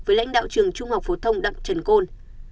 với lãnh đạo trường trung học phổ thông đặng trần côn